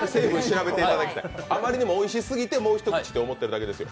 あまりにもおいしすぎてもう一口と思っているだけですよ。